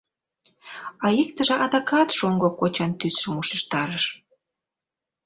А иктыже адакат шоҥго кочан тӱсшым ушештарыш.